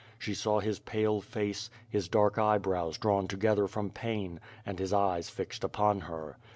She saw his pale face; his dark eye brows drawn together from pain, and his eyes fixed upon her.